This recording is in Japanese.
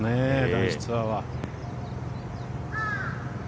男子ツアーは。